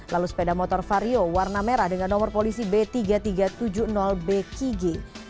lalu sepeda motor vario warna merah dengan nomor polisi b tiga ribu tiga ratus tujuh puluh bkg